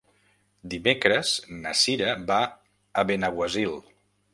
Dimecres na Cira va a Benaguasil.